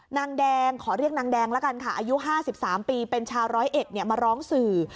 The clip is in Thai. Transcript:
นางแดงขอเรียกนางแดงแล้วกันค่ะอายุห้าสิบสามปีเป็นชาวร้อยเอ็ดเนี่ยมาร้องสื่อ